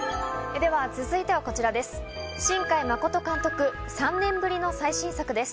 では続いてはこちらです。